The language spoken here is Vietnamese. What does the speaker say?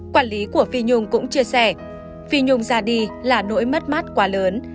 quản lý của phi nhung cũng chia sẻ phi nhung ra đi là nỗi mất mát quá lớn